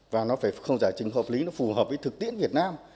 và nó phải không giải trình hợp lý nó phù hợp với thực tiễn việt nam